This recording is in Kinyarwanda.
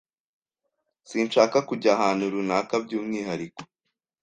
Sinshaka kujya ahantu runaka byumwihariko.